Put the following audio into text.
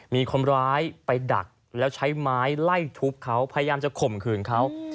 มีคนร้ายไปดักแล้วใช้ไม้ไล่ทุบเขาพยายามจะข่มขืนเขา